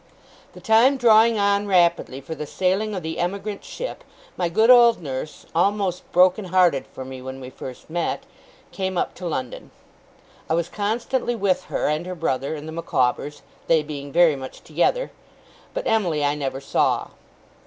The time drawing on rapidly for the sailing of the emigrant ship, my good old nurse (almost broken hearted for me, when we first met) came up to London. I was constantly with her, and her brother, and the Micawbers (they being very much together); but Emily I never saw.